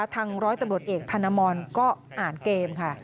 ร้อยตำรวจเอกธนมรก็อ่านเกมค่ะ